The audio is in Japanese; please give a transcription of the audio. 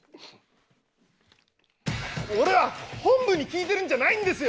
俺は本部に聞いてるんじゃないんですよ